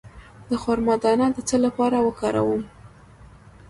د خرما دانه د څه لپاره وکاروم؟